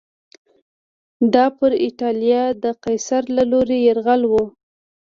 دا پر اېټالیا د قیصر له لوري یرغل و